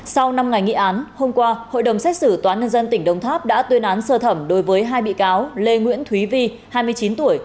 sau năm ngày nghị án hôm qua hội đồng xét xử tòa nhân dân tỉnh đồng tháp đã tuyên án sơ thẩm đối với hai bị cáo lê nguyễn thúy vi hai mươi chín tuổi